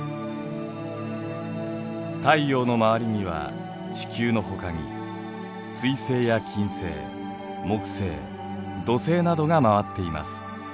太陽の周りには地球のほかに水星や金星木星土星などが回っています。